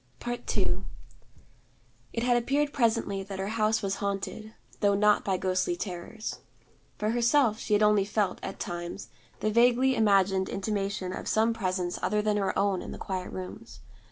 II It had appeared presently that her house was haunted, though not by ghostly terrors. For herself, she had only felt, at times, the vaguely imagined intimation of some presence other than her own in the quiet rooms.